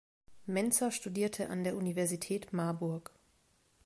Mentzer studierte an der Universität Marburg.